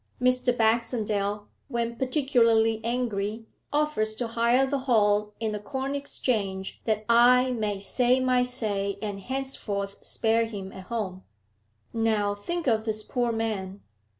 Mr. Baxendale, when particularly angry, offers to hire the hall in the Corn Exchange, that I may say my say and henceforth spare him at home. Now think of this poor man.